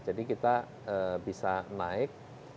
jadi kita bisa naik